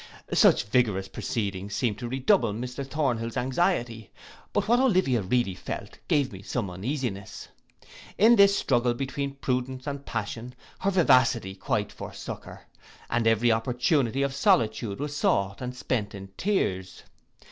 Such vigorous proceedings seemed to redouble Mr Thornhill's anxiety: but what Olivia really felt gave me some uneasiness. In this struggle between prudence and passion, her vivacity quite forsook her, and every opportunity of solitude was sought, and spent in tears.